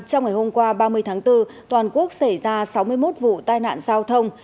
trong ngày hôm qua ba mươi tháng bốn toàn quốc xảy ra sáu mươi một vụ tai nạn giao thông